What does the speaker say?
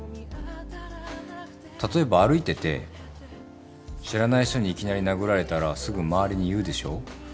例えば歩いてて知らない人にいきなり殴られたらすぐ周りに言うでしょう？